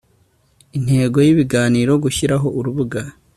Intego y ibiganiro Gushyiraho urubuga